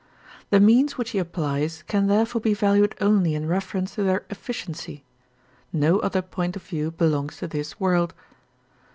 The means which he applies can therefore be valued only in reference to their efficiency; no other point of view belongs to his world.